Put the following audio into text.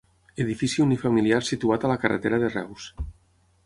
Edifici unifamiliar situat a la carretera de Reus.